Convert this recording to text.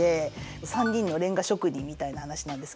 ３人のレンガ職人みたいな話なんですけど。